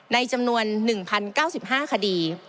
ในจำนวน๑๐๙๕คดี